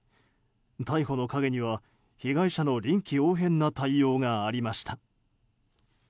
逮捕の陰には被害者の臨機応変な対応がありました。